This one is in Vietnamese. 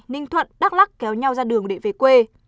ninh thuận đắk lắc kéo nhau ra đường để về quê